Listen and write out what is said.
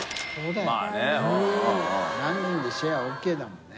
まぁねうん。何人でシェアＯＫだもんね。